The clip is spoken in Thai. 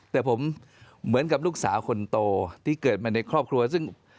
แต่ผมเหมือนกับลูกสาวคนโตที่เกิดมาในครอบครัวซึ่ง